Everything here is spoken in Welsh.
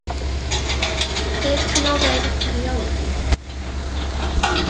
Sedd canol dde naturiol yw hi.